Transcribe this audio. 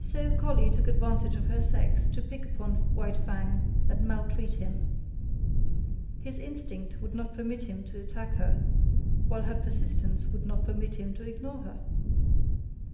So Collie took advantage of her sex to pick upon White Fang and maltreat him. His instinct would not permit him to attack her, while her persistence would not permit him to ignore her.